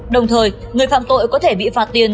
đồng thời người phạm tội có thể bị phạt tiền